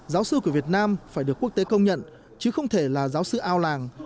giáo sư của việt nam phải được quốc tế công nhận chứ không thể là giáo sư ao làng